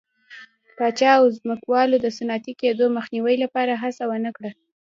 پاچا او ځمکوالو د صنعتي کېدو مخنیوي لپاره هڅه نه وه کړې.